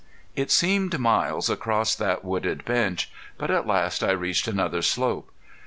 It seemed miles across that wooded bench. But at last I reached another slope.